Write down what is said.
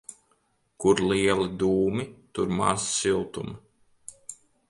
Kur lieli dūmi, tur maz siltuma.